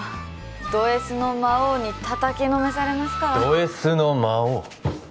ドＳの魔王にたたきのめされますからドＳの魔王？